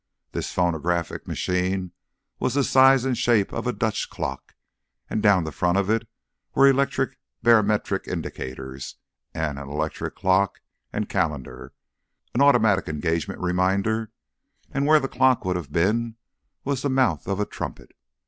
This phonographic machine was the size and shape of a Dutch clock, and down the front of it were electric barometric indicators, and an electric clock and calendar, and automatic engagement reminders, and where the clock would have been was the mouth of a trumpet.